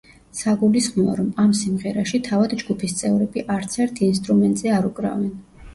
საგულისხმოა, რომ ამ სიმღერაში თავად ჯგუფის წევრები არც ერთ ინსტრუმენტზე არ უკრავენ.